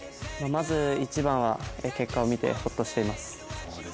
まず一番は、結果を見てホッとしています。